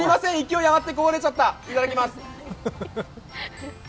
勢い余ってこぼれちゃったいただきます！